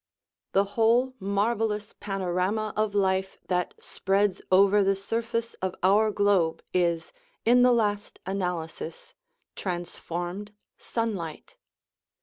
The whole marvellous panorama of life that spreads over the surface of our globe is, in the last analysis, trans formed sunlight.